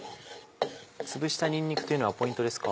つぶしたにんにくというのはポイントですか？